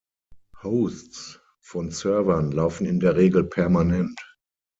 Hosts von Servern laufen in der Regel permanent.